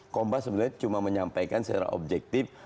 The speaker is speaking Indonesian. kompas sebenarnya cuma menyampaikan secara objektif